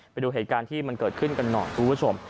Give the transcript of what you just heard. ไปดูเหตุการณ์ที่มันเกิดขึ้นกันหน่อยคุณผู้ชม